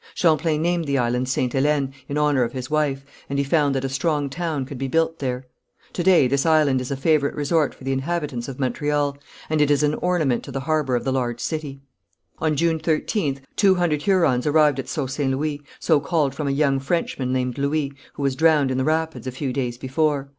Champlain named the island Ste. Hélène, in honour of his wife, and he found that a strong town could be built there. To day this island is a favourite resort for the inhabitants of Montreal, and it is an ornament to the harbour of the large city. On June 13th two hundred Hurons arrived at Sault St. Louis, so called from a young Frenchman named Louis, who was drowned in the rapids a few days before.